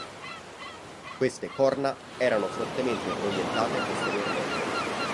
Queste "corna" erano fortemente proiettate posteriormente.